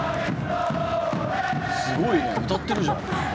すごいね歌ってるじゃん。